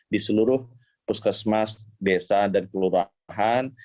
di seluruh puskesmas desa dan kelurahan